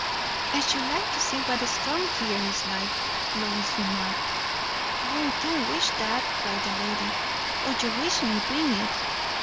"I should like to see what a storm here is like," Lois remarked. "O, don't wish that!" cried the lady, "or your wish may bring it.